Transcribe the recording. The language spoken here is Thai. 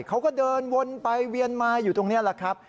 เขาก็เดินวนไปเวียนมาอยู่ตรงนี้แหละครับ